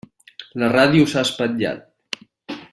La ràdio s'ha espatllat.